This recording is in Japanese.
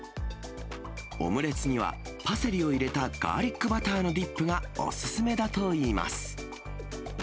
オムレツには、パセリを入れたガーリックバターのディップがお勧めだといいます。